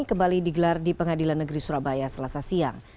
kembali digelar di pengadilan negeri surabaya selasa siang